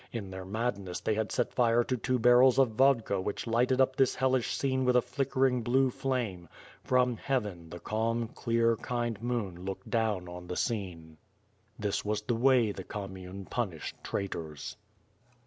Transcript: In their madness they had set fire to two barrels of vodka which lighted up this hellish scene with a flickering blue flame; from heaven, the calm, clear, kind moon looked down on the scene. This was the way the commune punished traitors.